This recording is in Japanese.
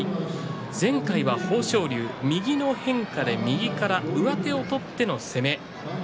前回は豊昇龍、右の変化で右から上手を取っての攻め。